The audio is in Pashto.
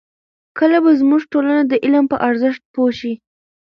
کله به زموږ ټولنه د علم په ارزښت پوه شي؟